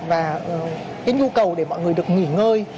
và nhu cầu để mọi người được nghỉ ngơi